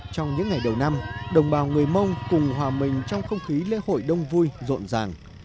trong những ngày đầu năm đồng bào người mông cùng hòa mình trong không khí lễ hội đông vui rộn ràng